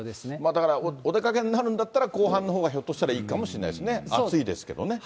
だからお出かけになるんだったら、後半のほうがひょっとしたらいいかもしれないですね。